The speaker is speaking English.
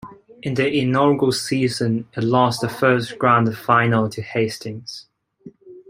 In the inaugural season It lost the first Grand Final to Hastings.